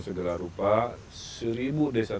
segera rupa seribu desa